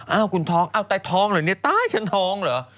คุณท้องอ้าวตายท้องเหรอเนี่ยตายฉันท้องเหรอ